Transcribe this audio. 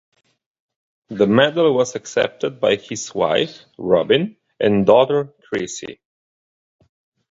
The medal was accepted by his wife, Robin, and daughter, Chrissy.